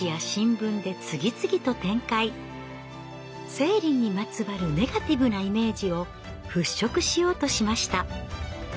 生理にまつわるネガティブなイメージを払拭しようとしました。